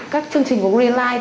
các chương trình của green life